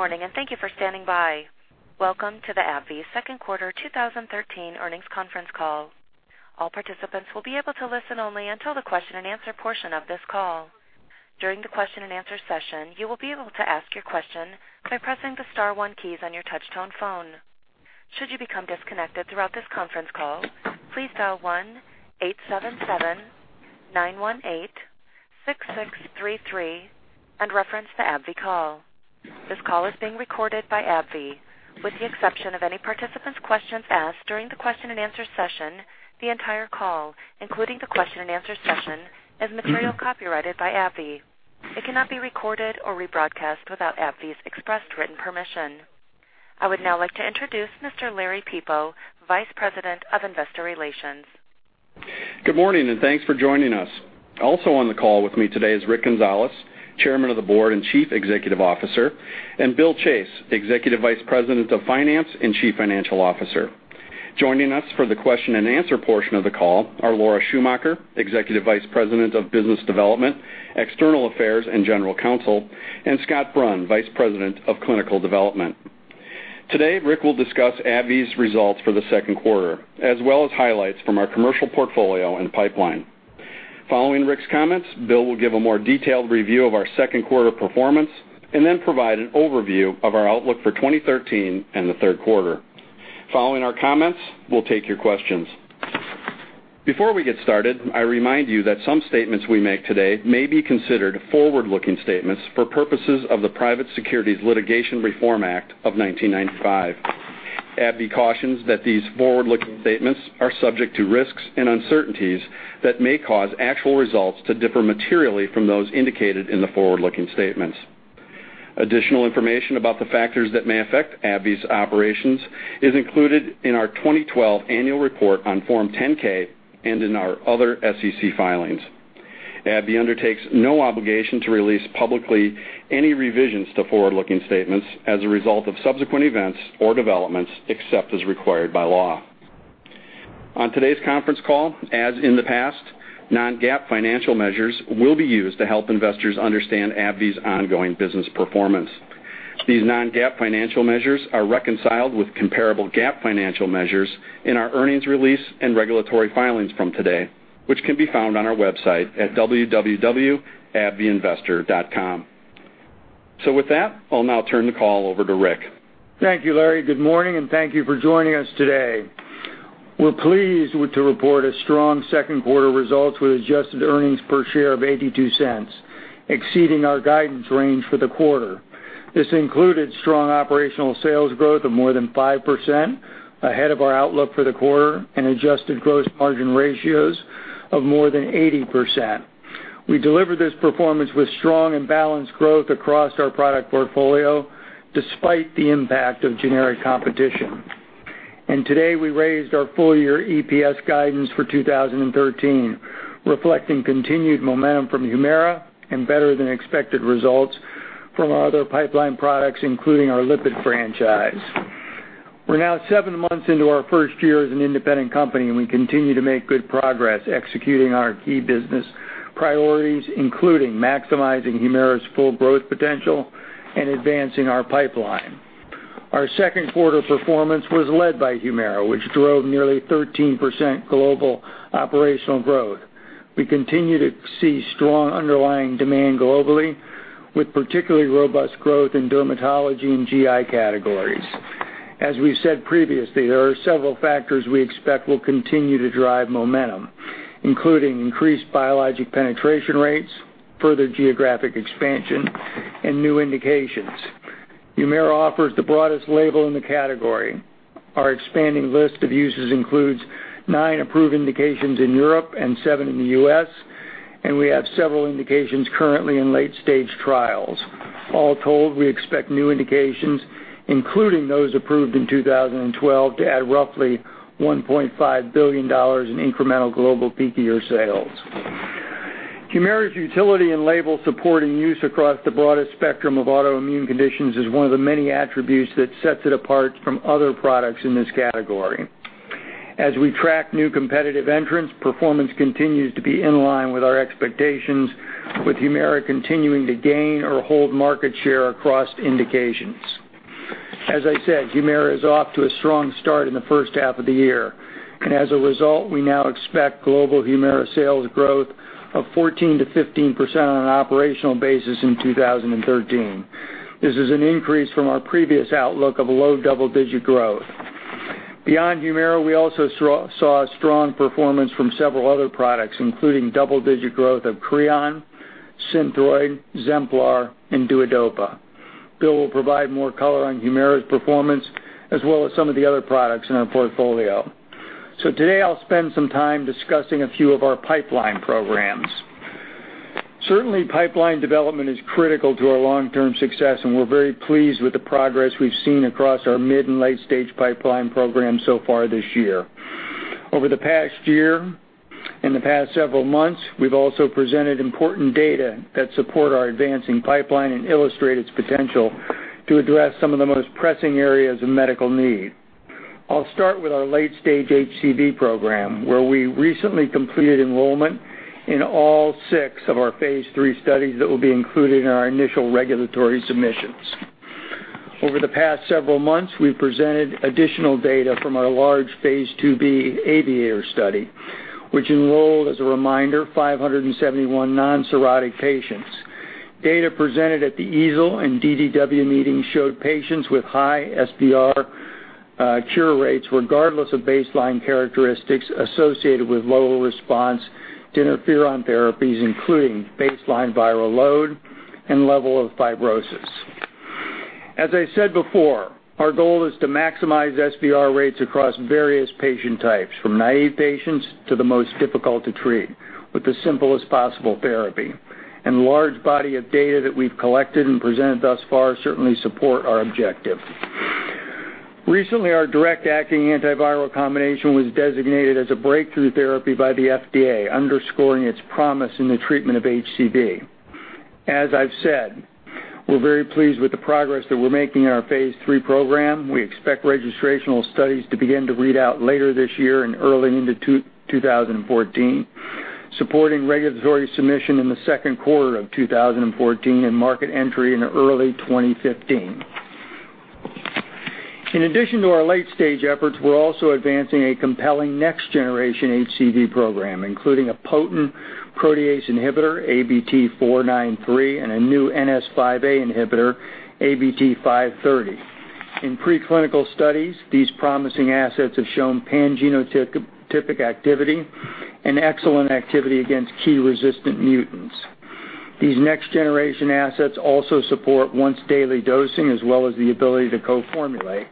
Good morning, and thank you for standing by. Welcome to the AbbVie Second Quarter 2013 Earnings Conference Call. All participants will be able to listen only until the question and answer portion of this call. During the question and answer session, you will be able to ask your question by pressing the star one keys on your touchtone phone. Should you become disconnected throughout this conference call, please dial 1-877-918-6633 and reference the AbbVie call. This call is being recorded by AbbVie. With the exception of any participant's questions asked during the question and answer session, the entire call, including the question and answer session, is material copyrighted by AbbVie. It cannot be recorded or rebroadcast without AbbVie's expressed written permission. I would now like to introduce Mr. Larry Peepo, Vice President of Investor Relations. Good morning, and thanks for joining us. Also on the call with me today is Rick Gonzalez, Chairman of the Board and Chief Executive Officer, and Bill Chase, Executive Vice President of Finance and Chief Financial Officer. Joining us for the question and answer portion of the call are Laura Schumacher, Executive Vice President of Business Development, External Affairs, and General Counsel, and Scott Brun, Vice President of Clinical Development. Today, Rick will discuss AbbVie's results for the second quarter, as well as highlights from our commercial portfolio and pipeline. Following Rick's comments, Bill will give a more detailed review of our second quarter performance and then provide an overview of our outlook for 2013 and the third quarter. Following our comments, we'll take your questions. Before we get started, I remind you that some statements we make today may be considered forward-looking statements for purposes of the Private Securities Litigation Reform Act of 1995. AbbVie cautions that these forward-looking statements are subject to risks and uncertainties that may cause actual results to differ materially from those indicated in the forward-looking statements. Additional information about the factors that may affect AbbVie's operations is included in our 2012 annual report on Form 10-K and in our other SEC filings. AbbVie undertakes no obligation to release publicly any revisions to forward-looking statements as a result of subsequent events or developments, except as required by law. On today's conference call, as in the past, non-GAAP financial measures will be used to help investors understand AbbVie's ongoing business performance. These non-GAAP financial measures are reconciled with comparable GAAP financial measures in our earnings release and regulatory filings from today, which can be found on our website at www.abbvieinvestor.com. With that, I'll now turn the call over to Rick. Thank you, Larry. Good morning, and thank you for joining us today. We're pleased to report a strong second quarter result with adjusted earnings per share of $0.82, exceeding our guidance range for the quarter. This included strong operational sales growth of more than 5%, ahead of our outlook for the quarter, and adjusted gross margin ratios of more than 80%. We delivered this performance with strong and balanced growth across our product portfolio, despite the impact of generic competition. Today, we raised our full-year EPS guidance for 2013, reflecting continued momentum from HUMIRA and better than expected results from our other pipeline products, including our lipid franchise. We're now seven months into our first year as an independent company, and we continue to make good progress executing our key business priorities, including maximizing HUMIRA's full growth potential and advancing our pipeline. Our second quarter performance was led by HUMIRA, which drove nearly 13% global operational growth. We continue to see strong underlying demand globally, with particularly robust growth in dermatology and GI categories. As we've said previously, there are several factors we expect will continue to drive momentum, including increased biologic penetration rates, further geographic expansion, and new indications. HUMIRA offers the broadest label in the category. Our expanding list of uses includes nine approved indications in Europe and seven in the U.S., and we have several indications currently in late-stage trials. All told, we expect new indications, including those approved in 2012, to add roughly $1.5 billion in incremental global peak year sales. HUMIRA's utility and label support in use across the broadest spectrum of autoimmune conditions is one of the many attributes that sets it apart from other products in this category. As we track new competitive entrants, performance continues to be in line with our expectations, with HUMIRA continuing to gain or hold market share across indications. As I said, HUMIRA is off to a strong start in the first half of the year. As a result, we now expect global HUMIRA sales growth of 14%-15% on an operational basis in 2013. This is an increase from our previous outlook of low double-digit growth. Beyond HUMIRA, we also saw a strong performance from several other products, including double-digit growth of CREON, Synthroid, Zemplar, and Duodopa. Bill will provide more color on HUMIRA's performance, as well as some of the other products in our portfolio. Today I'll spend some time discussing a few of our pipeline programs. Certainly, pipeline development is critical to our long-term success. We're very pleased with the progress we've seen across our mid- and late-stage pipeline programs so far this year. Over the past year and the past several months, we've also presented important data that support our advancing pipeline and illustrate its potential to address some of the most pressing areas of medical need. I'll start with our late-stage HCV program, where we recently completed enrollment in all six of our phase III studies that will be included in our initial regulatory submissions. Over the past several months, we've presented additional data from our large phase II-B AVIATOR study, which enrolled, as a reminder, 571 non-cirrhotic patients. Data presented at the EASL and DDW meetings showed patients with high SVR cure rates, regardless of baseline characteristics associated with low response to interferon therapies, including baseline viral load and level of fibrosis. As I said before, our goal is to maximize SVR rates across various patient types, from naive patients to the most difficult to treat, with the simplest possible therapy, and the large body of data that we've collected and presented thus far certainly support our objective. Recently, our direct acting antiviral combination was designated as a breakthrough therapy by the FDA, underscoring its promise in the treatment of HCV. As I've said, we're very pleased with the progress that we're making in our phase III program. We expect registrational studies to begin to read out later this year and early into 2014, supporting regulatory submission in the second quarter of 2014 and market entry in early 2015. In addition to our late-stage efforts, we're also advancing a compelling next-generation HCV program, including a potent protease inhibitor, ABT-493, and a new NS5A inhibitor, ABT-530. In pre-clinical studies, these promising assets have shown pan-genotypic activity and excellent activity against key resistant mutants. These next-generation assets also support once-daily dosing, as well as the ability to co-formulate.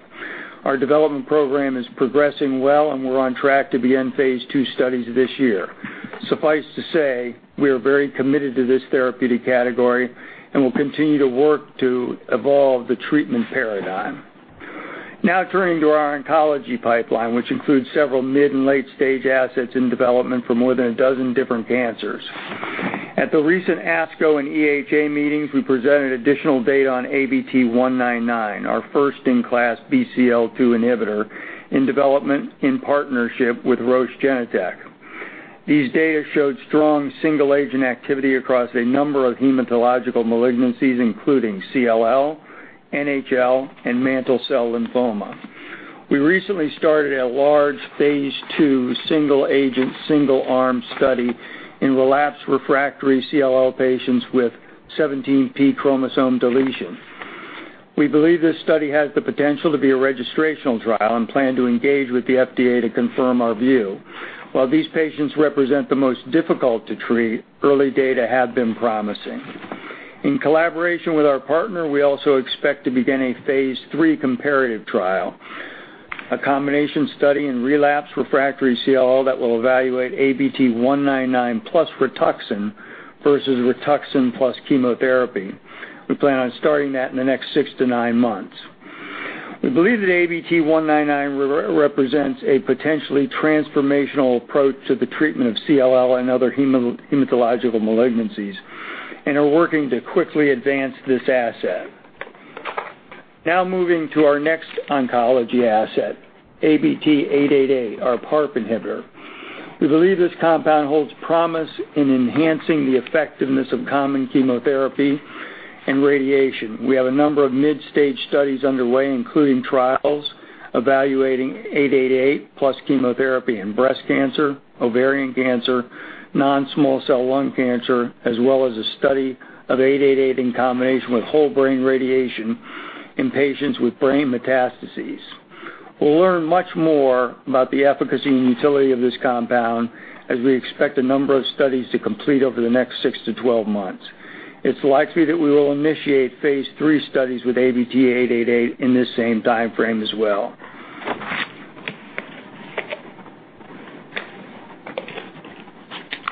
Our development program is progressing well, we're on track to begin phase II studies this year. Suffice to say, we are very committed to this therapeutic category, and will continue to work to evolve the treatment paradigm. Turning to our oncology pipeline, which includes several mid and late-stage assets in development for more than a dozen different cancers. At the recent ASCO and EHA meetings, we presented additional data on ABT-199, our first-in-class BCL-2 inhibitor in development in partnership with Roche Genentech. These data showed strong single-agent activity across a number of hematological malignancies, including CLL, NHL, and mantle cell lymphoma. We recently started a large phase II single-agent, single-arm study in relapsed refractory CLL patients with 17p chromosome deletion. We believe this study has the potential to be a registrational trial and plan to engage with the FDA to confirm our view. While these patients represent the most difficult to treat, early data have been promising. In collaboration with our partner, we also expect to begin a phase III comparative trial, a combination study in relapsed refractory CLL that will evaluate ABT-199 plus Rituxan versus Rituxan plus chemotherapy. We plan on starting that in the next 6 to 9 months. We believe that ABT-199 represents a potentially transformational approach to the treatment of CLL and other hematological malignancies and are working to quickly advance this asset. Moving to our next oncology asset, ABT-888, our PARP inhibitor. We believe this compound holds promise in enhancing the effectiveness of common chemotherapy and radiation. We have a number of mid-stage studies underway, including trials evaluating 888 plus chemotherapy in breast cancer, ovarian cancer, non-small cell lung cancer, as well as a study of 888 in combination with whole brain radiation in patients with brain metastases. We'll learn much more about the efficacy and utility of this compound, as we expect a number of studies to complete over the next 6 to 12 months. It's likely that we will initiate phase III studies with ABT-888 in this same timeframe as well.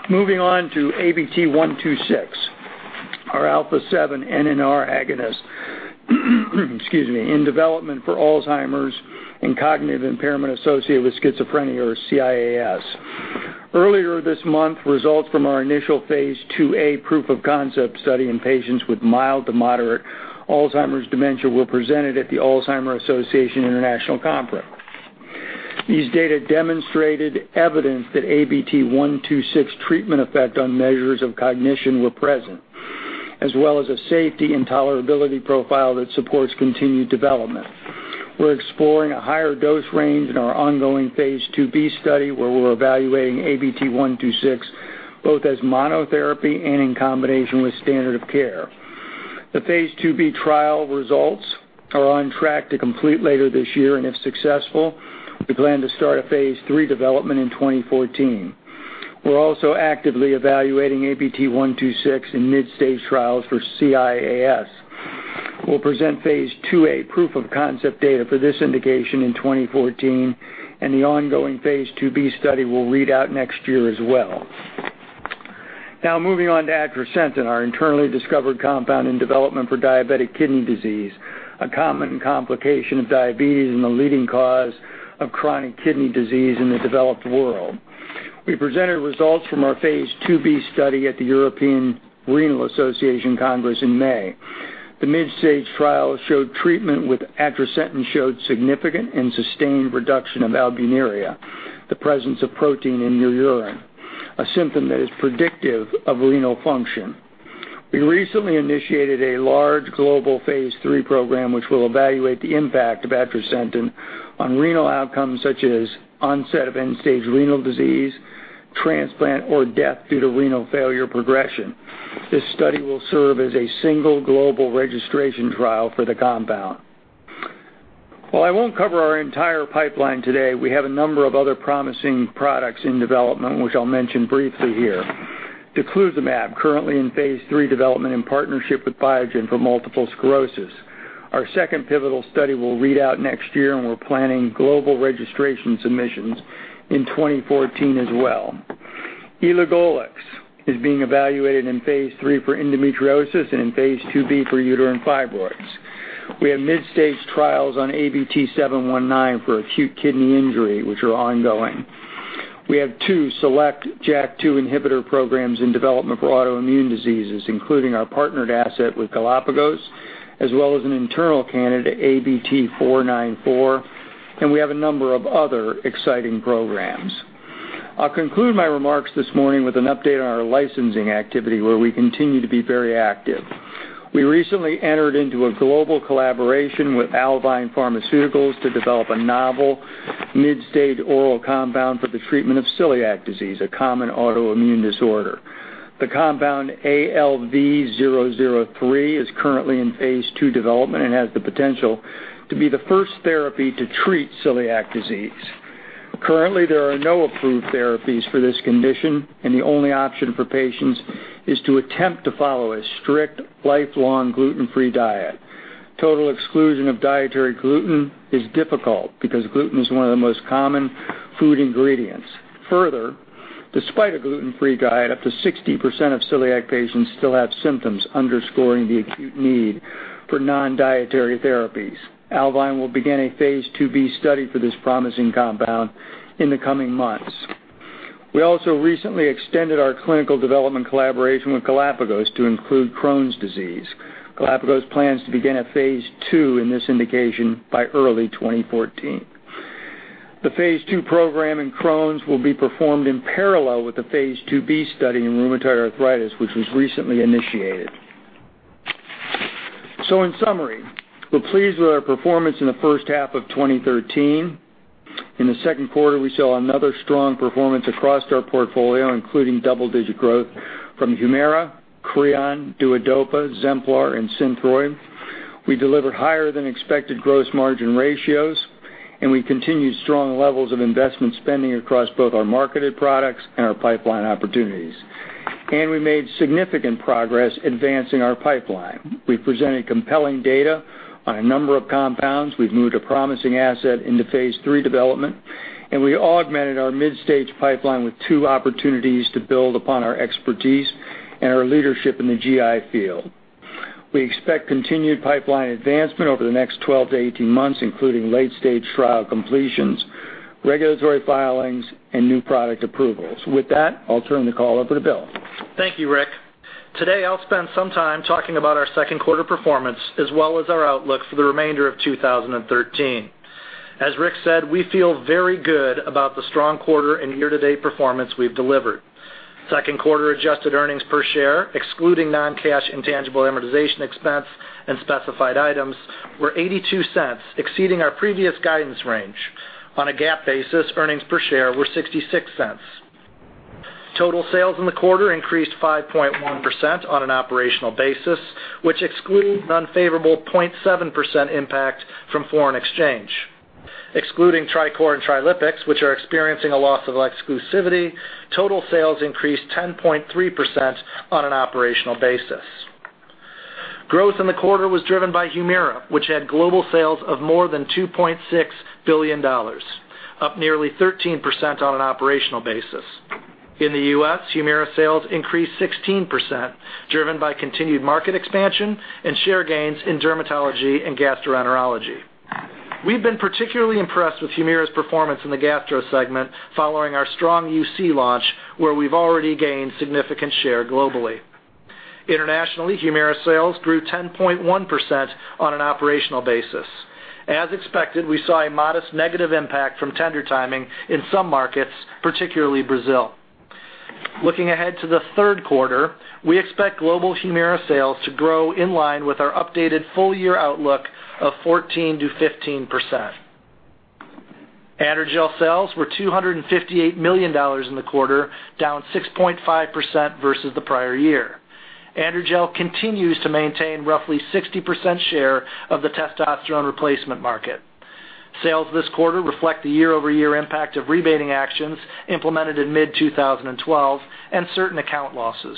Moving on to ABT-126, our alpha-7 nicotinic agonist, excuse me, in development for Alzheimer's and cognitive impairment associated with schizophrenia, or CIAS. Earlier this month, results from our initial phase II-A proof-of-concept study in patients with mild to moderate Alzheimer's dementia were presented at the Alzheimer's Association International Conference. These data demonstrated evidence that ABT-126 treatment effect on measures of cognition were present, as well as a safety and tolerability profile that supports continued development. We're exploring a higher dose range in our ongoing phase II-B study, where we're evaluating ABT-126 both as monotherapy and in combination with standard of care. The phase II-B trial results are on track to complete later this year, and if successful, we plan to start a phase III development in 2014. We're also actively evaluating ABT-126 in mid-stage trials for CIAS. We'll present phase II-A proof-of-concept data for this indication in 2014, and the ongoing phase II-B study will read out next year as well. Moving on to atrasentan, our internally discovered compound in development for diabetic kidney disease, a common complication of diabetes and the leading cause of chronic kidney disease in the developed world. We presented results from our phase II-B study at the European Renal Association Congress in May. The mid-stage trial showed treatment with atrasentan showed significant and sustained reduction of albuminuria, the presence of protein in your urine, a symptom that is predictive of renal function. We recently initiated a large global phase III program, which will evaluate the impact of atrasentan on renal outcomes such as onset of end-stage renal disease, transplant, or death due to renal failure progression. This study will serve as a single global registration trial for the compound. While I won't cover our entire pipeline today, we have a number of other promising products in development, which I'll mention briefly here. Daclizumab, currently in phase III development in partnership with Biogen for multiple sclerosis. Our second pivotal study will read out next year, and we're planning global registration submissions in 2014 as well. Elagolix is being evaluated in phase III for endometriosis and in phase II-B for uterine fibroids. We have mid-stage trials on ABT-719 for acute kidney injury, which are ongoing. We have two select JAK2 inhibitor programs in development for autoimmune diseases, including our partnered asset with Galapagos, as well as an internal candidate, ABT-494, and we have a number of other exciting programs. I'll conclude my remarks this morning with an update on our licensing activity, where we continue to be very active. We recently entered into a global collaboration with Alvine Pharmaceuticals to develop a novel mid-stage oral compound for the treatment of celiac disease, a common autoimmune disorder. The compound ALV003 is currently in phase II development and has the potential to be the first therapy to treat celiac disease. Currently, there are no approved therapies for this condition, and the only option for patients is to attempt to follow a strict, lifelong gluten-free diet. Total exclusion of dietary gluten is difficult because gluten is one of the most common food ingredients. Further, despite a gluten-free diet, up to 60% of celiac patients still have symptoms underscoring the acute need for non-dietary therapies. Alvine will begin a phase II-B study for this promising compound in the coming months. We also recently extended our clinical development collaboration with Galapagos to include Crohn's disease. Galapagos plans to begin a phase II in this indication by early 2014. The phase II program in Crohn's will be performed in parallel with the phase II-B study in rheumatoid arthritis, which was recently initiated. In summary, we're pleased with our performance in the first half of 2013. In the second quarter, we saw another strong performance across our portfolio, including double-digit growth from HUMIRA, CREON, DUODOPA, Zemplar, and SYNTHROID. We delivered higher than expected gross margin ratios. We continued strong levels of investment spending across both our marketed products and our pipeline opportunities. We made significant progress advancing our pipeline. We presented compelling data on a number of compounds. We've moved a promising asset into Phase III development. We augmented our mid-stage pipeline with two opportunities to build upon our expertise and our leadership in the GI field. We expect continued pipeline advancement over the next 12 to 18 months, including late-stage trial completions, regulatory filings, and new product approvals. With that, I'll turn the call over to Bill. Thank you, Rick. Today, I'll spend some time talking about our second quarter performance as well as our outlook for the remainder of 2013. As Rick said, we feel very good about the strong quarter and year-to-date performance we've delivered. Second quarter adjusted earnings per share, excluding non-cash intangible amortization expense and specified items, were $0.82, exceeding our previous guidance range. On a GAAP basis, earnings per share were $0.66. Total sales in the quarter increased 5.1% on an operational basis, which excludes an unfavorable 0.7% impact from foreign exchange. Excluding TriCor and Trilipix, which are experiencing a loss of exclusivity, total sales increased 10.3% on an operational basis. Growth in the quarter was driven by HUMIRA, which had global sales of more than $2.6 billion, up nearly 13% on an operational basis. In the U.S., HUMIRA sales increased 16%, driven by continued market expansion and share gains in dermatology and gastroenterology. We've been particularly impressed with HUMIRA's performance in the gastro segment following our strong UC launch, where we've already gained significant share globally. Internationally, HUMIRA sales grew 10.1% on an operational basis. As expected, we saw a modest negative impact from tender timing in some markets, particularly Brazil. Looking ahead to the third quarter, we expect global HUMIRA sales to grow in line with our updated full-year outlook of 14%-15%. AndroGel sales were $258 million in the quarter, down 6.5% versus the prior year. AndroGel continues to maintain roughly 60% share of the testosterone replacement market. Sales this quarter reflect the year-over-year impact of rebating actions implemented in mid-2012 and certain account losses.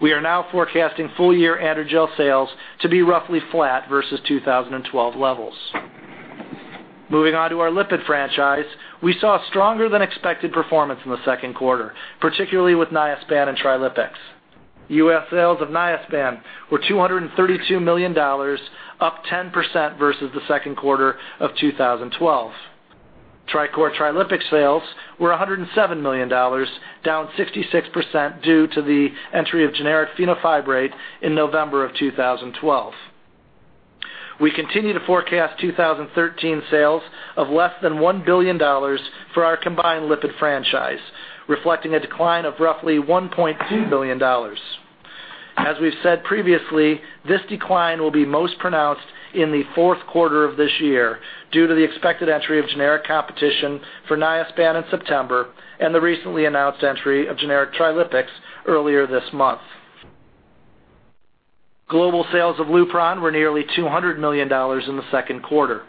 We are now forecasting full-year AndroGel sales to be roughly flat versus 2012 levels. Moving on to our lipid franchise, we saw stronger than expected performance in the second quarter, particularly with Niaspan and Trilipix. U.S. sales of Niaspan were $232 million, up 10% versus the second quarter of 2012. TriCor/Trilipix sales were $107 million, down 66% due to the entry of generic fenofibrate in November of 2012. We continue to forecast 2013 sales of less than $1 billion for our combined lipid franchise, reflecting a decline of roughly $1.2 billion. As we've said previously, this decline will be most pronounced in the fourth quarter of this year due to the expected entry of generic competition for Niaspan in September and the recently announced entry of generic Trilipix earlier this month. Global sales of Lupron were nearly $200 million in the second quarter.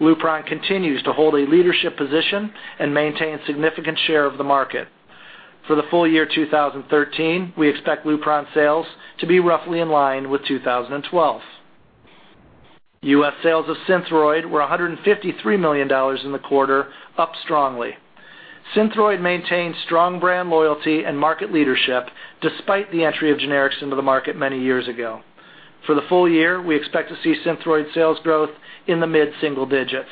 Lupron continues to hold a leadership position and maintain significant share of the market. For the full year 2013, we expect LUPRON sales to be roughly in line with 2012. U.S. sales of Synthroid were $153 million in the quarter, up strongly. Synthroid maintains strong brand loyalty and market leadership despite the entry of generics into the market many years ago. For the full year, we expect to see Synthroid sales growth in the mid-single digits.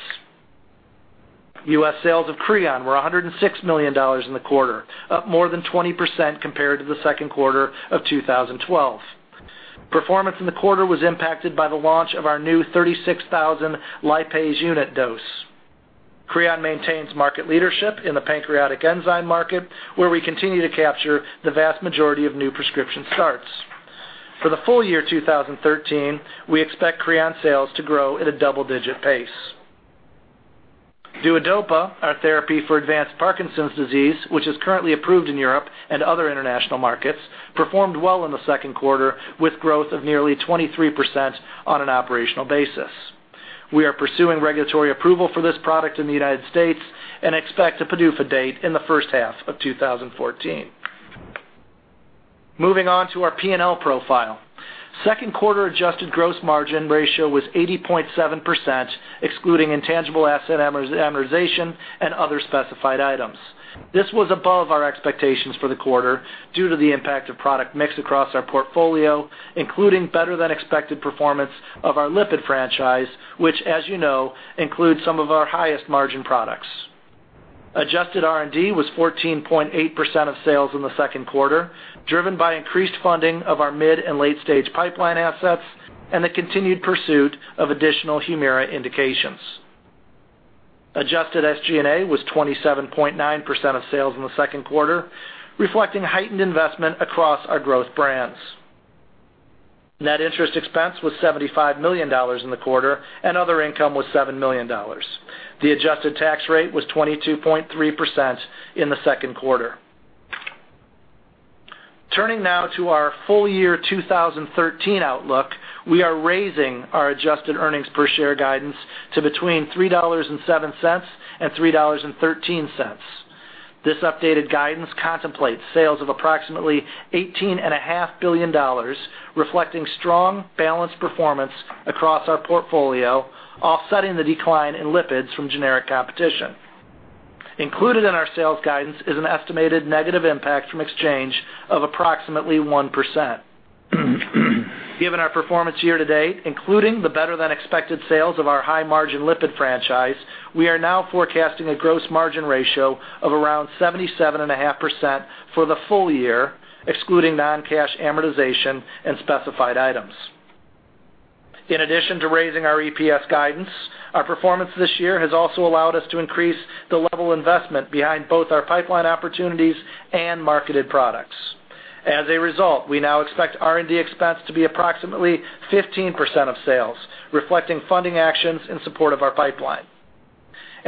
U.S. sales of CREON were $106 million in the quarter, up more than 20% compared to the second quarter of 2012. Performance in the quarter was impacted by the launch of our new 36,000 lipase unit dose. CREON maintains market leadership in the pancreatic enzyme market, where we continue to capture the vast majority of new prescription starts. For the full year 2013, we expect CREON sales to grow at a double-digit pace. Duodopa, our therapy for advanced Parkinson's disease, which is currently approved in Europe and other international markets, performed well in the second quarter, with growth of nearly 23% on an operational basis. We are pursuing regulatory approval for this product in the U.S. and expect a PDUFA date in the first half of 2014. Moving on to our P&L profile. Second quarter adjusted gross margin ratio was 80.7%, excluding intangible asset amortization and other specified items. This was above our expectations for the quarter due to the impact of product mix across our portfolio, including better-than-expected performance of our lipid franchise, which, as you know, includes some of our highest margin products. Adjusted R&D was 14.8% of sales in the second quarter, driven by increased funding of our mid and late-stage pipeline assets and the continued pursuit of additional HUMIRA indications. Adjusted SG&A was 27.9% of sales in the second quarter, reflecting heightened investment across our growth brands. Net interest expense was $75 million in the quarter, and other income was $7 million. The adjusted tax rate was 22.3% in the second quarter. Turning now to our full-year 2013 outlook. We are raising our adjusted earnings per share guidance to between $3.07 and $3.13. This updated guidance contemplates sales of approximately $18.5 billion, reflecting strong, balanced performance across our portfolio, offsetting the decline in lipids from generic competition. Included in our sales guidance is an estimated negative impact from exchange of approximately 1%. Given our performance year to date, including the better-than-expected sales of our high-margin lipid franchise, we are now forecasting a gross margin ratio of around 77.5% for the full year, excluding non-cash amortization and specified items. In addition to raising our EPS guidance, our performance this year has also allowed us to increase the level of investment behind both our pipeline opportunities and marketed products. As a result, we now expect R&D expense to be approximately 15% of sales, reflecting funding actions in support of our pipeline.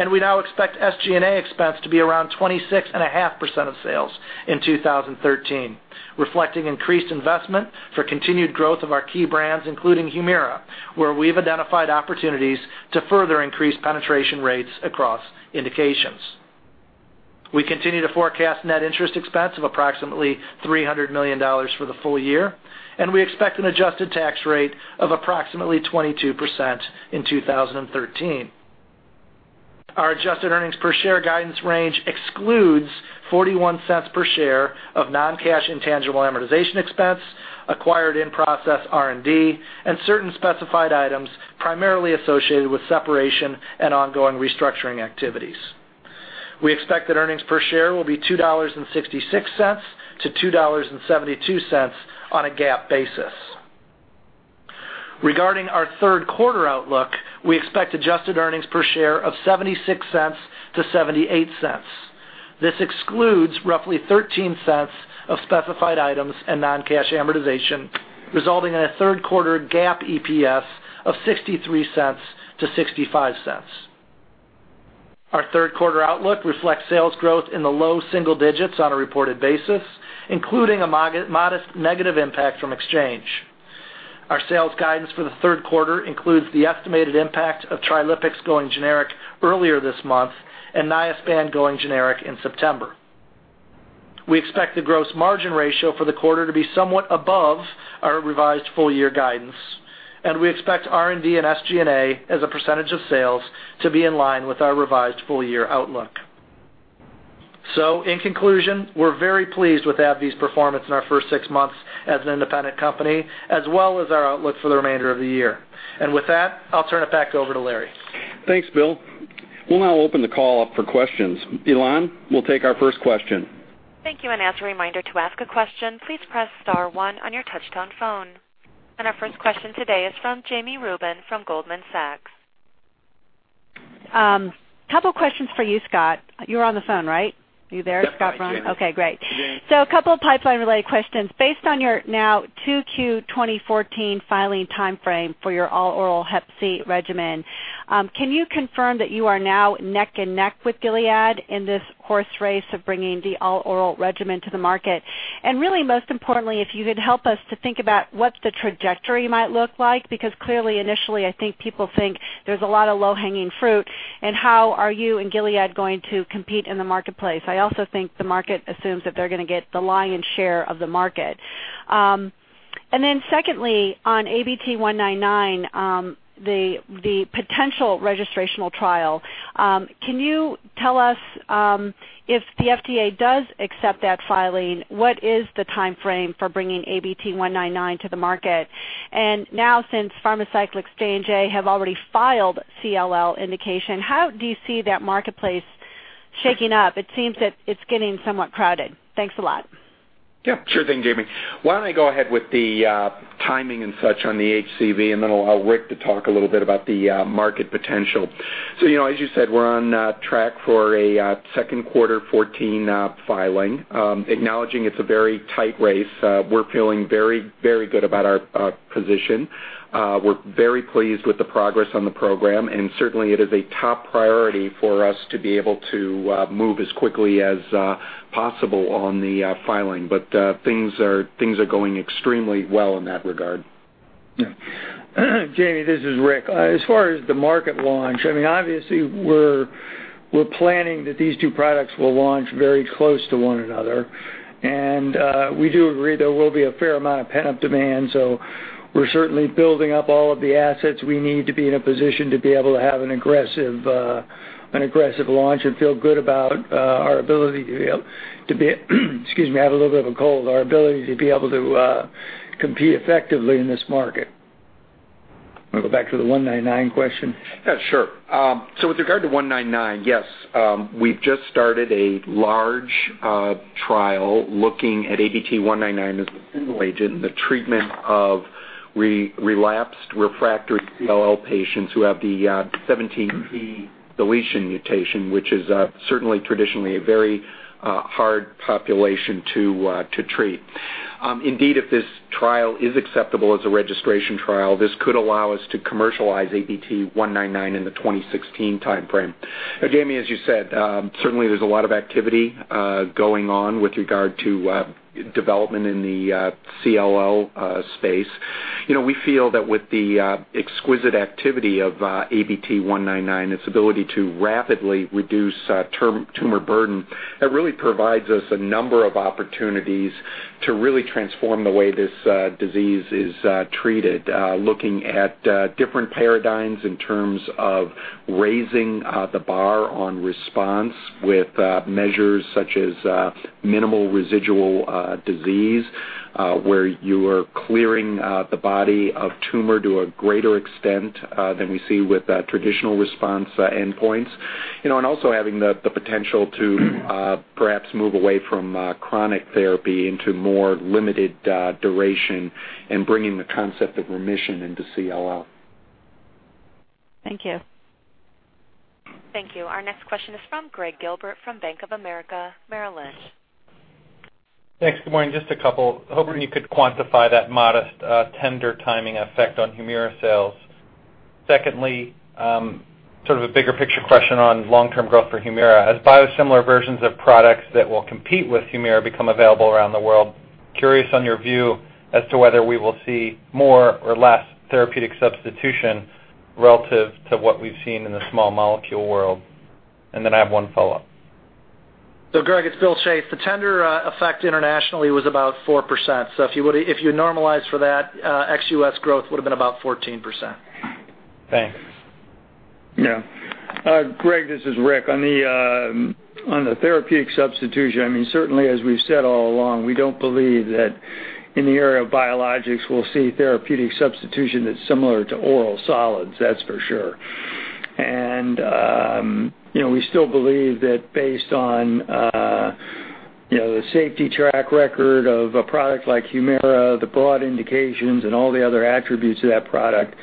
We now expect SG&A expense to be around 26.5% of sales in 2013, reflecting increased investment for continued growth of our key brands, including HUMIRA, where we've identified opportunities to further increase penetration rates across indications. We continue to forecast net interest expense of approximately $300 million for the full year, and we expect an adjusted tax rate of approximately 22% in 2013. Our adjusted earnings per share guidance range excludes $0.41 per share of non-cash intangible amortization expense, acquired in-process R&D, and certain specified items primarily associated with separation and ongoing restructuring activities. We expect that earnings per share will be $2.66 to $2.72 on a GAAP basis. Regarding our third quarter outlook, we expect adjusted earnings per share of $0.76 to $0.78. This excludes roughly $0.13 of specified items and non-cash amortization, resulting in a third quarter GAAP EPS of $0.63 to $0.65. Our third quarter outlook reflects sales growth in the low single digits on a reported basis, including a modest negative impact from exchange. Our sales guidance for the third quarter includes the estimated impact of Trilipix going generic earlier this month and Niaspan going generic in September. We expect the gross margin ratio for the quarter to be somewhat above our revised full-year guidance, and we expect R&D and SG&A as a percentage of sales to be in line with our revised full-year outlook. In conclusion, we're very pleased with AbbVie's performance in our first six months as an independent company, as well as our outlook for the remainder of the year. With that, I'll turn it back over to Larry. Thanks, Bill. We'll now open the call up for questions. Elan, we'll take our first question. Thank you. As a reminder to ask a question, please press star one on your touch-tone phone. Our first question today is from Jami Rubin from Goldman Sachs. A couple of questions for you, Scott. You're on the phone, right? Are you there, Scott Brun? Yes, I am. Okay, great. Jami. A couple of pipeline-related questions. Based on your now 2Q 2014 filing timeframe for your all-oral Hep C regimen, can you confirm that you are now neck and neck with Gilead in this horse race of bringing the all-oral regimen to the market? Really most importantly, if you could help us to think about what the trajectory might look like, because clearly initially, I think people think there's a lot of low-hanging fruit, and how are you and Gilead going to compete in the marketplace? I also think the market assumes that they're going to get the lion's share of the market. Then secondly, on ABT-199, the potential registrational trial, can you tell us if the FDA does accept that filing, what is the timeframe for bringing ABT-199 to the market? Now since Pharmacyclics and J&J have already filed CLL indication, how do you see that marketplace shaking up? It seems that it's getting somewhat crowded. Thanks a lot. Yeah, sure thing, Jami. Why don't I go ahead with the timing and such on the HCV, then allow Rick to talk a little bit about the market potential. As you said, we're on track for a second quarter 2014 filing. Acknowledging it's a very tight race, we're feeling very, very good about our position. We're very pleased with the progress on the program, certainly it is a top priority for us to be able to move as quickly as possible on the filing. Things are going extremely well in that regard. Jami, this is Rick. As far as the market launch, obviously we're planning that these two products will launch very close to one another. We do agree there will be a fair amount of pent-up demand, so we're certainly building up all of the assets we need to be in a position to be able to have an aggressive launch and feel good about our ability to be able, excuse me, I have a little bit of a cold, to compete effectively in this market. Want to go back to the 199 question? Yeah, sure. With regard to 199, yes, we've just started a large trial looking at ABT-199 as a single agent in the treatment of relapsed refractory CLL patients who have the 17p deletion mutation, which is certainly traditionally a very hard population to treat. Indeed, if this trial is acceptable as a registration trial, this could allow us to commercialize ABT-199 in the 2016 timeframe. Jami, as you said, certainly there's a lot of activity going on with regard to development in the CLL space. We feel that with the exquisite activity of ABT-199, its ability to rapidly reduce tumor burden, that really provides us a number of opportunities to really transform the way this disease is treated. Looking at different paradigms in terms of raising the bar on response with measures such as minimal residual disease, where you are clearing the body of tumor to a greater extent than we see with traditional response endpoints. Also having the potential to perhaps move away from chronic therapy into more limited duration and bringing the concept of remission into CLL. Thank you. Thank you. Our next question is from Gregg Gilbert from Bank of America Merrill Lynch. Thanks. Good morning. Just a couple. Hoping you could quantify that modest tender timing effect on HUMIRA sales. Secondly, sort of a bigger picture question on long-term growth for HUMIRA. As biosimilar versions of products that will compete with HUMIRA become available around the world, curious on your view as to whether we will see more or less therapeutic substitution relative to what we've seen in the small molecule world. Then I have one follow-up. Gregg, it's Bill Chase. The tender effect internationally was about 4%. If you normalize for that, ex-U.S. growth would've been about 14%. Thanks. Gregg, this is Rick. On the therapeutic substitution, certainly as we've said all along, we don't believe that in the era of biologics, we'll see therapeutic substitution that's similar to oral solids, that's for sure. We still believe that based on the safety track record of a product like HUMIRA, the broad indications and all the other attributes of that product,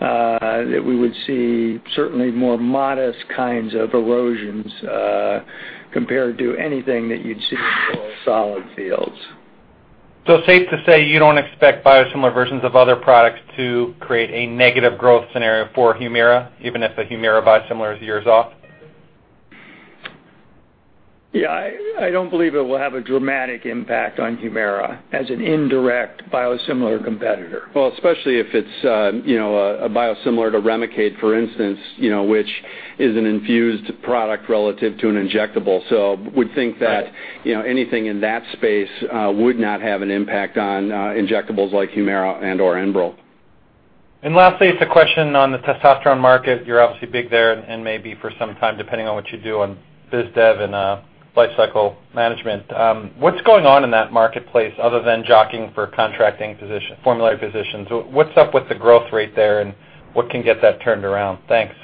that we would see certainly more modest kinds of erosions compared to anything that you'd see in oral solid fields. Safe to say you don't expect biosimilar versions of other products to create a negative growth scenario for HUMIRA, even if a HUMIRA biosimilar is years off? I don't believe it will have a dramatic impact on HUMIRA as an indirect biosimilar competitor. Well, especially if it's a biosimilar to REMICADE, for instance, which is an infused product relative to an injectable. Would think that. Right anything in that space would not have an impact on injectables like HUMIRA and or ENBREL. Lastly, it's a question on the testosterone market. You're obviously big there and may be for some time, depending on what you do on biz dev and life cycle management. What's going on in that marketplace other than jockeying for contracting formulary positions? What's up with the growth rate there, and what can get that turned around? Thanks.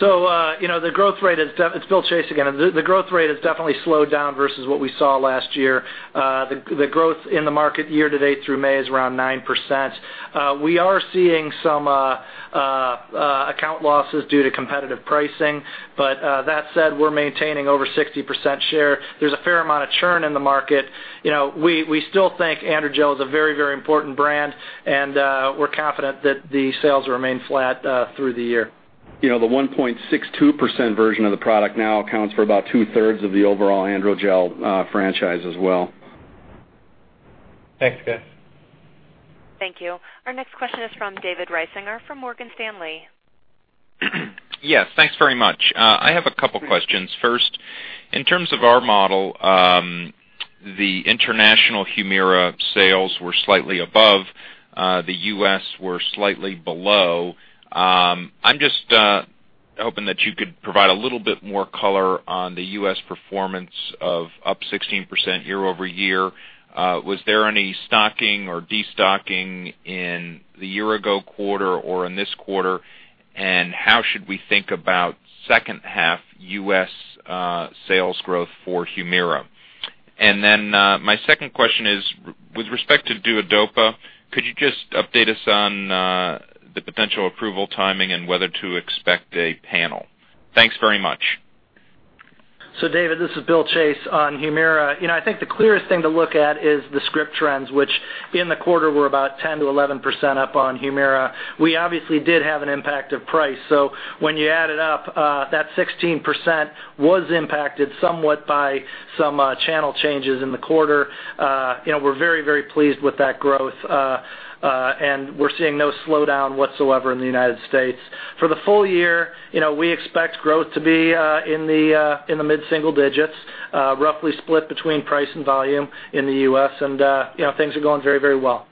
The growth rate. It's Bill Chase again. The growth rate has definitely slowed down versus what we saw last year. The growth in the market year to date through May is around 9%. We are seeing some account losses due to competitive pricing. That said, we're maintaining over 60% share. There's a fair amount of churn in the market. We still think AndroGel is a very, very important brand, and we're confident that the sales remain flat through the year. The 1.62% version of the product now accounts for about two-thirds of the overall AndroGel franchise as well. Thanks, guys. Thank you. Our next question is from David Risinger, from Morgan Stanley. Yes, thanks very much. I have a couple of questions. First, in terms of our model, the international Humira sales were slightly above. The U.S. were slightly below. I'm just hoping that you could provide a little bit more color on the U.S. performance of up 16% year-over-year. Was there any stocking or de-stocking in the year-ago quarter or in this quarter? How should we think about second half U.S. sales growth for Humira? My second question is, with respect to Duodopa, could you just update us on the potential approval timing and whether to expect a panel? Thanks very much. David, this is Bill Chase. On HUMIRA, I think the clearest thing to look at is the script trends, which in the quarter were about 10%-11% up on HUMIRA. We obviously did have an impact of price. When you add it up, that 16% was impacted somewhat by some channel changes in the quarter. We're very, very pleased with that growth. We're seeing no slowdown whatsoever in the U.S. For the full year, we expect growth to be in the mid-single digits, roughly split between price and volume in the U.S., things are going very, very well.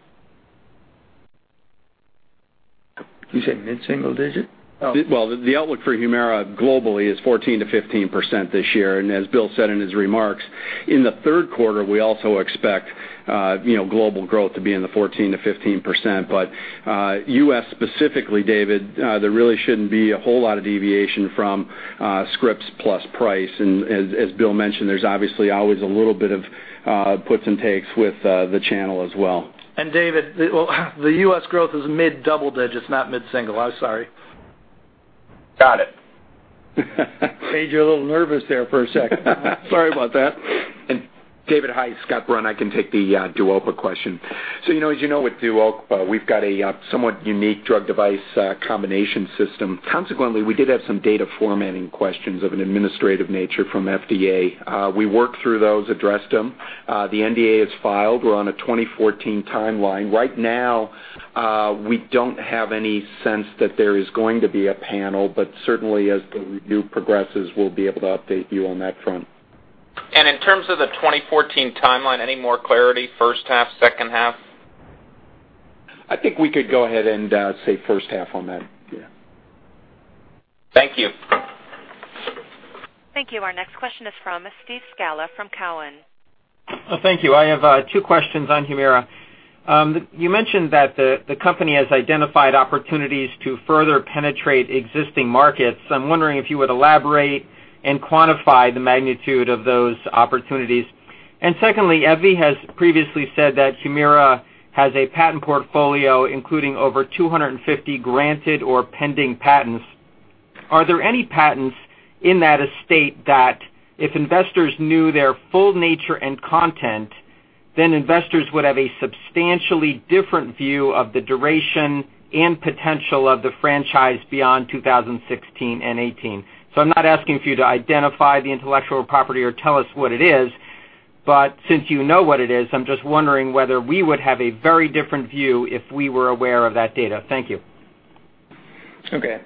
You say mid-single digit? The outlook for HUMIRA globally is 14%-15% this year. As Bill said in his remarks, in the third quarter, we also expect global growth to be in the 14%-15%. U.S. specifically, David, there really shouldn't be a whole lot of deviation from scripts plus price. As Bill mentioned, there's obviously always a little bit of puts and takes with the channel as well. David, the U.S. growth is mid-double digits, not mid-single. I'm sorry. Got it. Made you a little nervous there for a second. Sorry about that. David, hi, it's Scott Brun. I can take the Duodopa question. As you know, with Duodopa, we've got a somewhat unique drug device combination system. Consequently, we did have some data formatting questions of an administrative nature from FDA. We worked through those, addressed them. The NDA is filed. We're on a 2014 timeline. Right now, we don't have any sense that there is going to be a panel, but certainly as the review progresses, we'll be able to update you on that front. In terms of the 2014 timeline, any more clarity? First half, second half? I think we could go ahead and say first half on that. Yeah. Thank you. Thank you. Our next question is from Steve Scala from Cowen. Thank you. I have two questions on Humira. You mentioned that the company has identified opportunities to further penetrate existing markets. I'm wondering if you would elaborate and quantify the magnitude of those opportunities. Secondly, AbbVie has previously said that Humira has a patent portfolio including over 250 granted or pending patents. Are there any patents in that estate that if investors knew their full nature and content, then investors would have a substantially different view of the duration and potential of the franchise beyond 2016 and 2018? I'm not asking for you to identify the intellectual property or tell us what it is. Since you know what it is, I'm just wondering whether we would have a very different view if we were aware of that data. Thank you. Okay.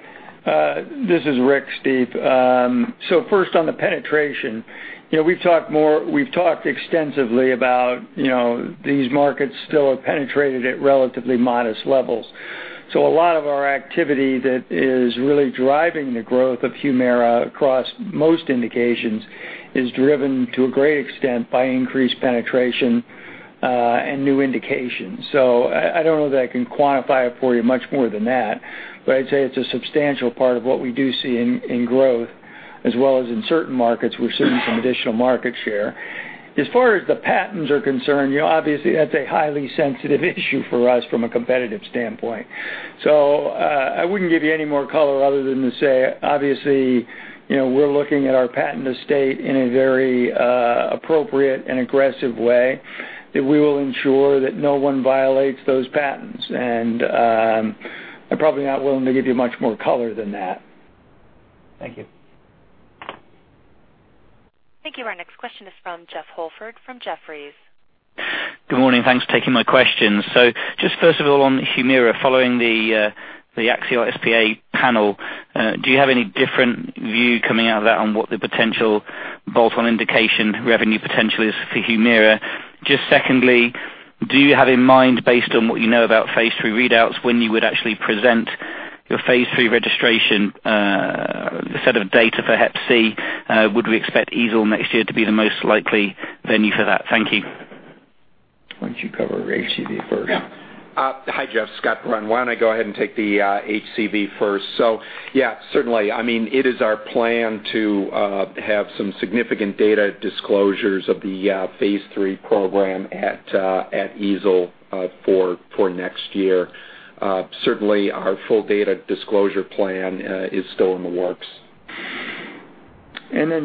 This is Rick, Steve. First on the penetration. We've talked extensively about these markets still are penetrated at relatively modest levels. A lot of our activity that is really driving the growth of Humira across most indications is driven, to a great extent, by increased penetration and new indications. I don't know that I can quantify it for you much more than that, but I'd say it's a substantial part of what we do see in growth, as well as in certain markets, we're seeing some additional market share. As far as the patents are concerned, obviously, that's a highly sensitive issue for us from a competitive standpoint. I wouldn't give you any more color other than to say, obviously, we're looking at our patent estate in a very appropriate and aggressive way, that we will ensure that no one violates those patents. I'm probably not willing to give you much more color than that. Thank you. Thank you. Our next question is from Jeffrey Holford from Jefferies. Good morning. Thanks for taking my questions. Just first of all, on HUMIRA, following the Axial SpA panel, do you have any different view coming out of that on what the potential Both on indication revenue potential is for HUMIRA. Secondly, do you have in mind, based on what you know about phase III readouts, when you would actually present your phase III registration, the set of data for HCV? Would we expect EASL next year to be the most likely venue for that? Thank you. Why don't you cover HCV first? Hi, Jeff. Scott Brun. Why don't I go ahead and take the HCV first. Certainly, it is our plan to have some significant data disclosures of the phase III program at EASL for next year. Certainly, our full data disclosure plan is still in the works.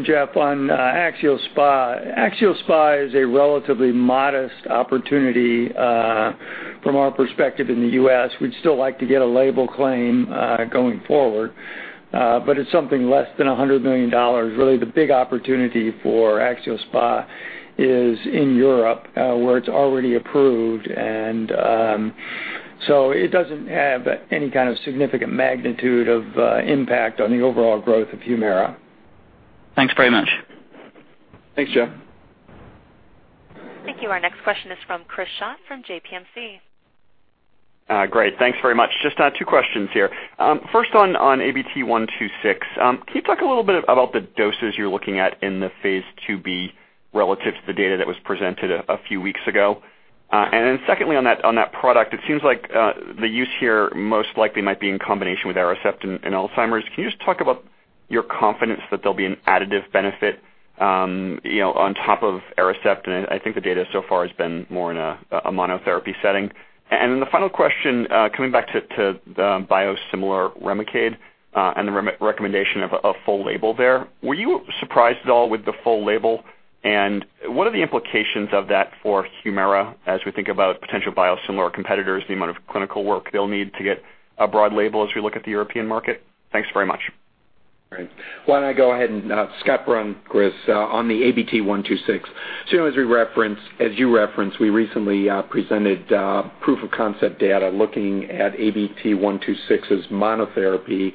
Jeff, on Axial SpA. Axial SpA is a relatively modest opportunity from our perspective in the U.S. We'd still like to get a label claim going forward, but it's something less than $100 million. Really the big opportunity for Axial SpA is in Europe, where it's already approved, it doesn't have any kind of significant magnitude of impact on the overall growth of HUMIRA. Thanks very much. Thanks, Jeff. Thank you. Our next question is from Chris Schott from JPMC. Great. Thanks very much. Just two questions here. First on ABT-126, can you talk a little bit about the doses you're looking at in the phase II-B relative to the data that was presented a few weeks ago? Secondly, on that product, it seems like the use here most likely might be in combination with ARICEPT in Alzheimer's. Can you just talk about your confidence that there'll be an additive benefit on top of ARICEPT? I think the data so far has been more in a monotherapy setting. Then the final question, coming back to the biosimilar REMICADE and the recommendation of a full label there. Were you surprised at all with the full label? What are the implications of that for HUMIRA as we think about potential biosimilar competitors, the amount of clinical work they'll need to get a broad label as we look at the European market? Thanks very much. Great. Scott Brun, Chris, on the ABT-126. As you referenced, we recently presented proof of concept data looking at ABT-126 as monotherapy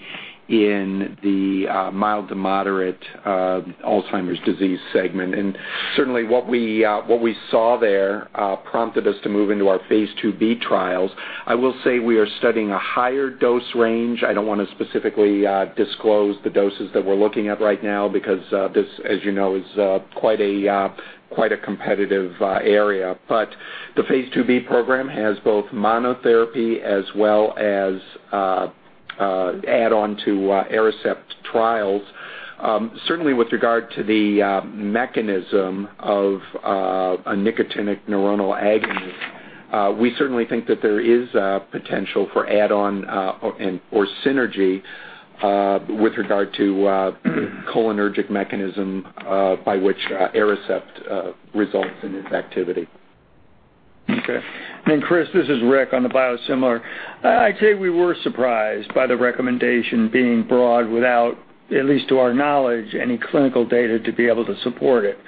in the mild to moderate Alzheimer's disease segment. Certainly what we saw there prompted us to move into our phase II-B trials. I will say we are studying a higher dose range. I don't want to specifically disclose the doses that we're looking at right now because this, as you know, is quite a competitive area. The phase II-B program has both monotherapy as well as add-on to ARICEPT trials. Certainly, with regard to the mechanism of a nicotinic neuronal agonist, we certainly think that there is potential for add-on or synergy with regard to cholinergic mechanism by which ARICEPT results in its activity. Okay. Chris, this is Rick on the biosimilar. I'd say we were surprised by the recommendation being broad without, at least to our knowledge, any clinical data to be able to support it.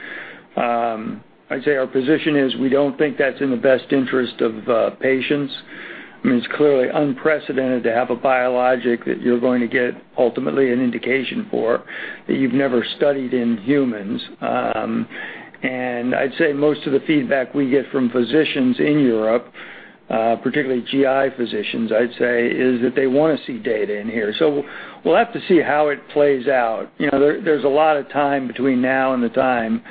I'd say our position is we don't think that's in the best interest of patients. It's clearly unprecedented to have a biologic that you're going to get ultimately an indication for that you've never studied in humans. I'd say most of the feedback we get from physicians in Europe, particularly GI physicians, I'd say, is that they want to see data in here. We'll have to see how it plays out. There's a lot of time between now and the time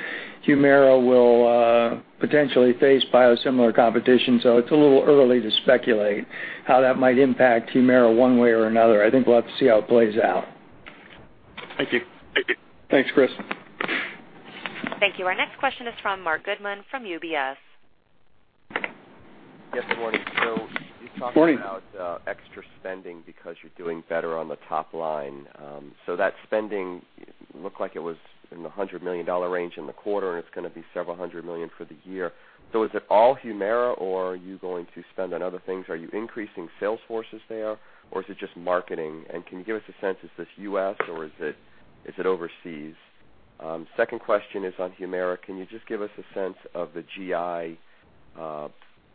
HUMIRA will potentially face biosimilar competition, so it's a little early to speculate how that might impact HUMIRA one way or another. I think we'll have to see how it plays out. Thank you. Thanks, Chris. Thank you. Our next question is from Marc Goodman from UBS. Yes, good morning. Good morning. You talked about extra spending because you're doing better on the top line. That spending looked like it was in the $100 million range in the quarter, and it's going to be several hundred million for the year. Is it all HUMIRA, or are you going to spend on other things? Are you increasing sales forces there, or is it just marketing? Can you give us a sense, is this U.S. or is it overseas? Second question is on HUMIRA. Can you just give us a sense of the GI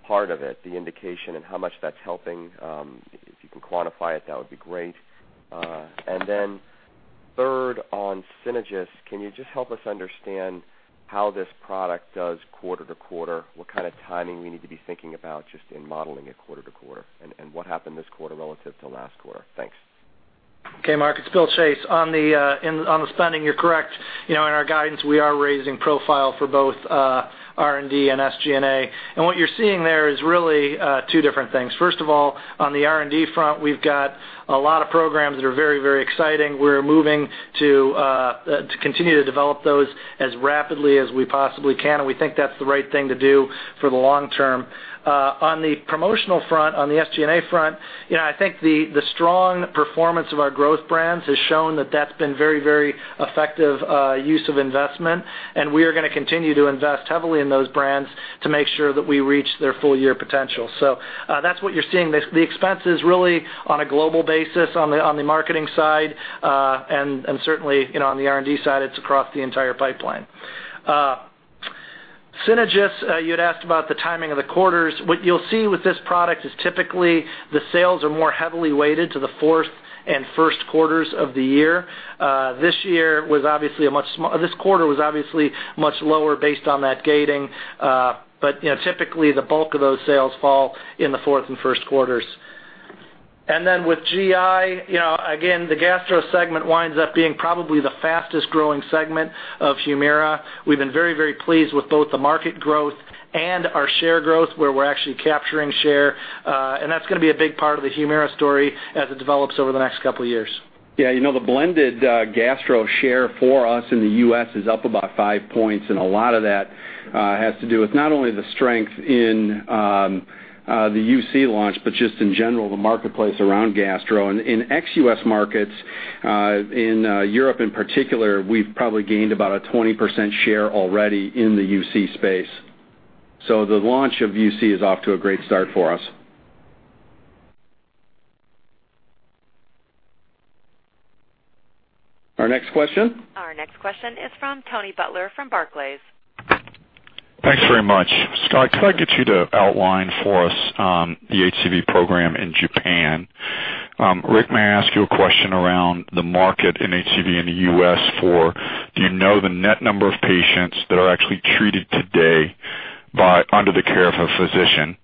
part of it, the indication, and how much that's helping? If you can quantify it, that would be great. Third on Synagis, can you just help us understand how this product does quarter to quarter? What kind of timing we need to be thinking about just in modeling it quarter to quarter, and what happened this quarter relative to last quarter? Thanks. Okay, Marc, it's Bill Chase. On the spending, you're correct. In our guidance, we are raising profile for both R&D and SG&A. What you're seeing there is really two different things. First of all, on the R&D front, we've got a lot of programs that are very, very exciting. We're moving to continue to develop those as rapidly as we possibly can, we think that's the right thing to do for the long term. On the promotional front, on the SG&A front, I think the strong performance of our growth brands has shown that's been very, very effective use of investment, we are going to continue to invest heavily in those brands to make sure that we reach their full year potential. That's what you're seeing. The expense is really on a global basis on the marketing side, certainly, on the R&D side, it's across the entire pipeline. Synagis, you had asked about the timing of the quarters. What you'll see with this product is typically the sales are more heavily weighted to the fourth and first quarters of the year. This quarter was obviously much lower based on that gating. Typically, the bulk of those sales fall in the fourth and first quarters. With GI, again, the gastro segment winds up being probably the fastest-growing segment of HUMIRA. We've been very pleased with both the market growth and our share growth, where we're actually capturing share. That's going to be a big part of the HUMIRA story as it develops over the next couple of years. Yeah. The blended gastro share for us in the U.S. is up about five points, a lot of that has to do with not only the strength in the UC launch, but just in general, the marketplace around gastro. In ex-U.S. markets, in Europe in particular, we've probably gained about a 20% share already in the UC space. The launch of UC is off to a great start for us. Our next question? Our next question is from Tony Butler from Barclays. Thanks very much. Scott, could I get you to outline for us the HCV program in Japan? Rick, may I ask you a question around the market in HCV in the U.S. for, do you know the net number of patients that are actually treated today under the care of a physician?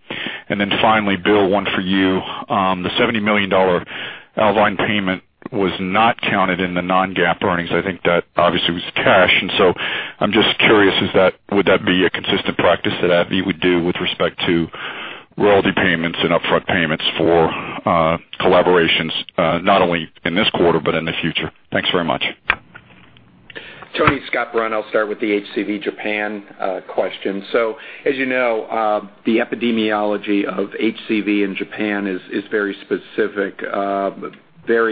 Finally, Bill, one for you. The $70 million Alvine payment was not counted in the non-GAAP earnings. I think that obviously was cash, I'm just curious, would that be a consistent practice that AbbVie would do with respect to royalty payments and upfront payments for collaborations, not only in this quarter but in the future? Thanks very much. Tony, Scott Brun. I'll start with the HCV Japan question. As you know, the epidemiology of HCV in Japan is very specific, very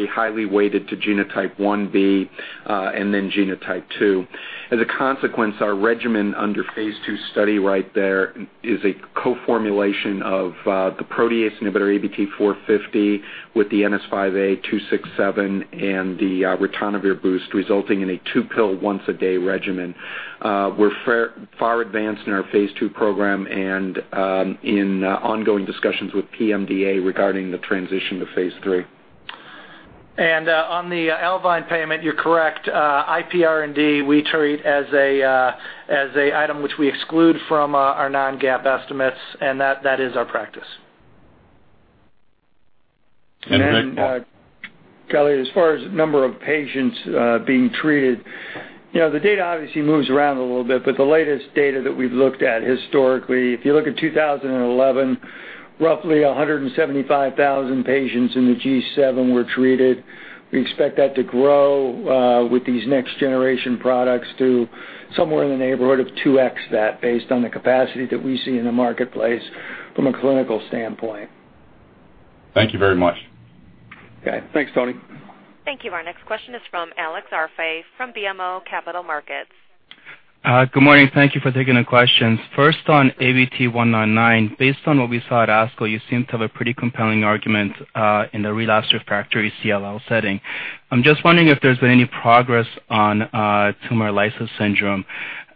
highly weighted to genotype 1b, and then genotype 2. As a consequence, our regimen under phase II study right there is a co-formulation of the protease inhibitor ABT-450 with the ABT-267 and the ritonavir boost, resulting in a 2-pill once-a-day regimen. We're far advanced in our phase II program and in ongoing discussions with PMDA regarding the transition to phase III. On the Alvine payment, you're correct. IPR&D, we treat as an item which we exclude from our non-GAAP estimates, and that is our practice. Rick, more. Kelly, as far as number of patients being treated, the data obviously moves around a little bit. The latest data that we've looked at historically, if you look at 2011, roughly 175,000 patients in the G7 were treated. We expect that to grow with these next-generation products to somewhere in the neighborhood of 2x that, based on the capacity that we see in the marketplace from a clinical standpoint. Thank you very much. Okay. Thanks, Tony. Thank you. Our next question is from Alex Arfaei from BMO Capital Markets. Good morning. Thank you for taking the questions. First, on ABT-199, based on what we saw at ASCO, you seem to have a pretty compelling argument in the relapsed refractory CLL setting. I'm just wondering if there's been any progress on tumor lysis syndrome,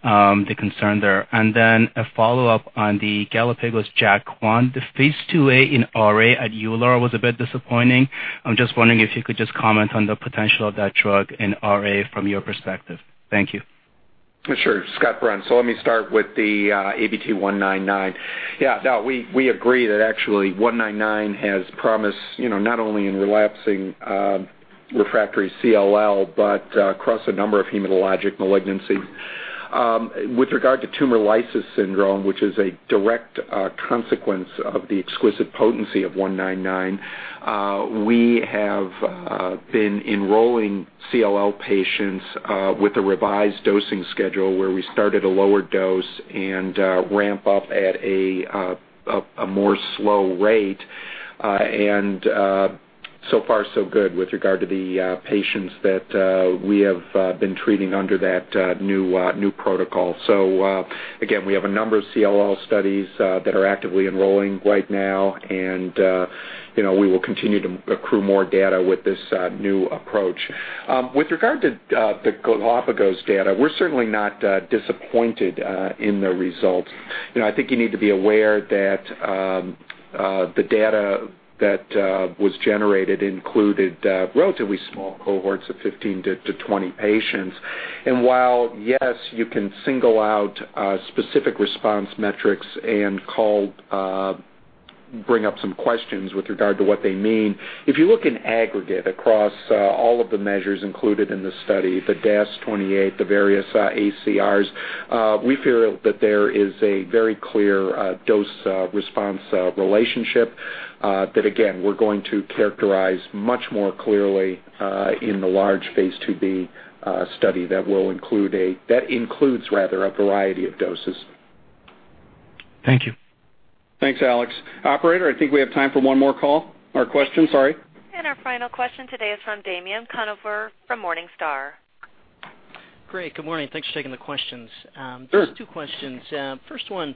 the concern there? Then a follow-up on the Galapagos JAK1. The phase IIa in RA at EULAR was a bit disappointing. I'm just wondering if you could just comment on the potential of that drug in RA from your perspective. Thank you. Sure. Scott Brun. Let me start with the ABT-199. Yeah, we agree that actually 199 has promise, not only in relapsing refractory CLL, but across a number of hematologic malignancies. With regard to tumor lysis syndrome, which is a direct consequence of the exquisite potency of 199, we have been enrolling CLL patients with a revised dosing schedule where we start at a lower dose and ramp up at a more slow rate. So far so good with regard to the patients that we have been treating under that new protocol. Again, we have a number of CLL studies that are actively enrolling right now, and we will continue to accrue more data with this new approach. With regard to the Galapagos data, we're certainly not disappointed in the results. I think you need to be aware that the data that was generated included relatively small cohorts of 15 to 20 patients. While, yes, you can single out specific response metrics and bring up some questions with regard to what they mean, if you look in aggregate across all of the measures included in the study, the DAS28, the various ACRs, we feel that there is a very clear dose-response relationship that, again, we're going to characterize much more clearly in the large phase IIB study that includes a variety of doses. Thank you. Thanks, Alex. Operator, I think we have time for one more call or question, sorry. Our final question today is from Damien Conover from Morningstar. Great. Good morning. Thanks for taking the questions. Sure. Just two questions. First one,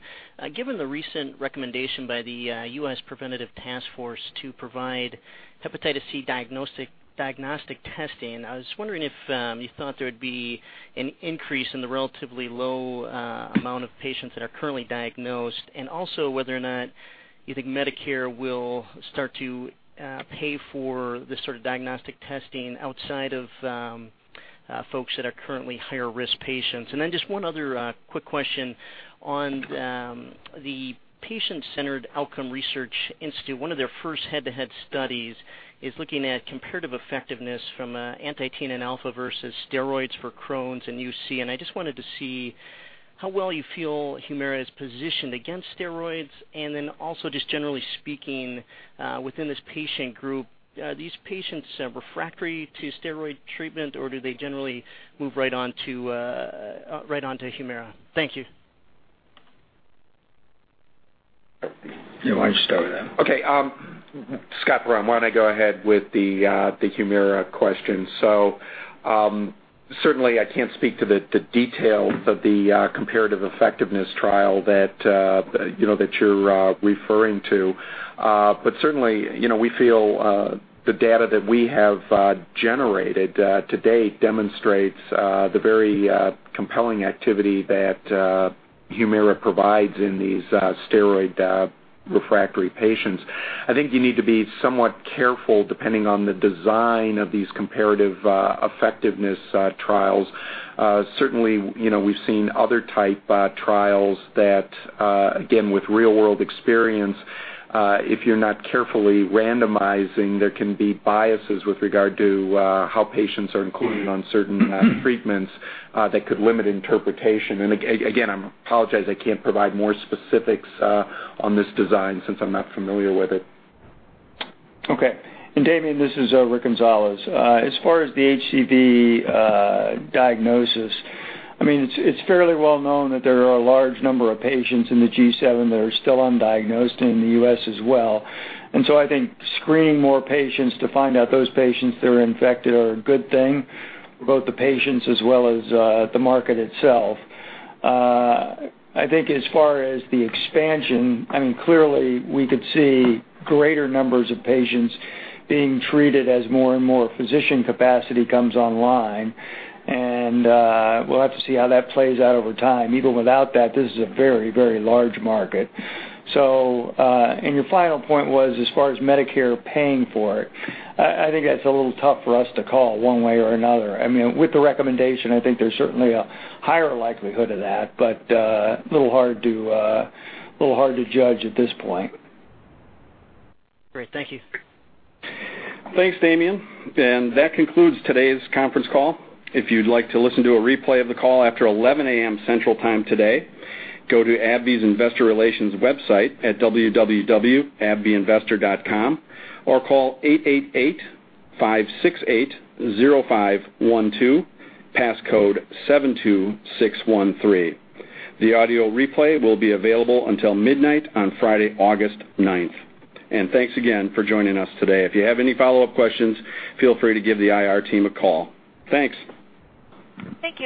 given the recent recommendation by the U.S. Preventive Services Task Force to provide Hepatitis C diagnostic testing, I was wondering if you thought there would be an increase in the relatively low amount of patients that are currently diagnosed, and also whether or not you think Medicare will start to pay for this sort of diagnostic testing outside of folks that are currently higher risk patients. Just one other quick question on the Patient-Centered Outcomes Research Institute. One of their first head-to-head studies is looking at comparative effectiveness from anti-TNF alpha versus steroids for Crohn's and UC, and I just wanted to see how well you feel HUMIRA is positioned against steroids. Also just generally speaking, within this patient group, are these patients refractory to steroid treatment, or do they generally move right on to HUMIRA? Thank you. Yeah. Why don't you start with that? Okay. Scott Brun. Why don't I go ahead with the HUMIRA question. Certainly I can't speak to the details of the comparative effectiveness trial that you're referring to. Certainly, we feel the data that we have generated to date demonstrates the very compelling activity that HUMIRA provides in these steroid-refractory patients. I think you need to be somewhat careful depending on the design of these comparative effectiveness trials. Certainly, we've seen other type trials that, again, with real-world experience, if you're not carefully randomizing, there can be biases with regard to how patients are included on certain treatments that could limit interpretation. Again, I apologize, I can't provide more specifics on this design since I'm not familiar with it. Okay. Damien, this is Rick Gonzalez. As far as the HCV diagnosis, it is fairly well known that there are a large number of patients in the G7 that are still undiagnosed, and in the U.S. as well. I think screening more patients to find out those patients that are infected are a good thing for both the patients as well as the market itself. I think as far as the expansion, clearly we could see greater numbers of patients being treated as more and more physician capacity comes online, and we will have to see how that plays out over time. Even without that, this is a very, very large market. Your final point was as far as Medicare paying for it, I think that is a little tough for us to call one way or another. With the recommendation, I think there is certainly a higher likelihood of that, but a little hard to judge at this point. Great. Thank you. Thanks, Damien. That concludes today's conference call. If you would like to listen to a replay of the call after 11:00 A.M. Central Time today, go to AbbVie's investor relations website at www.abbvieinvestor.com or call 888-568-0512, passcode 72613. The audio replay will be available until midnight on Friday, August 9th. Thanks again for joining us today. If you have any follow-up questions, feel free to give the IR team a call. Thanks. Thank you.